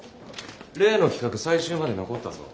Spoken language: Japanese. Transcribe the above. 例の企画最終まで残ったぞ。